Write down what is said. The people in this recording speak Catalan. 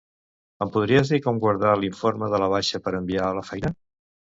Em podries dir com guardar l'informe de la baixa per enviar a la feina?